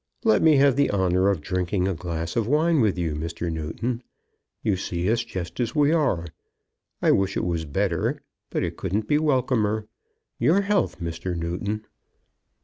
Let me have the honour of drinking a glass of wine with you, Mr. Newton. You see us just as we are. I wish it was better, but it couldn't be welcomer. Your health, Mr. Newton."